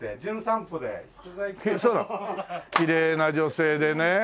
きれいな女性でね。